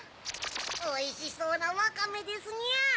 おいしそうなワカメですにゃ。